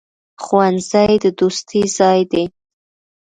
ښوونځی د دوستۍ ځای دی.